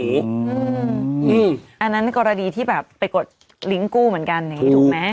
อืมอันนั้นกรณีที่แบบไปกดลิ้งก์กู้เหมือนกันเนี่ยถูกไหม